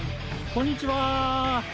こんにちは。